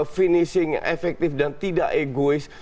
finishing yang efektif dan tidak egois